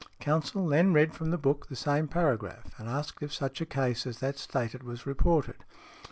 Counsel then read from the book the same paragraph and asked if such a case as that stated was reported.